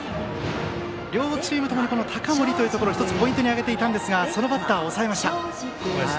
両チーム共に高森をポイントに挙げていたんですがそのバッターを抑えました。